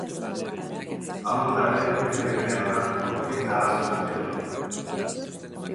Aholkulariak bete-betean onartuko luke arrazoibide hori.